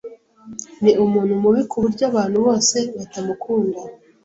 Ni umuntu mubi kuburyo abantu bose batamukunda.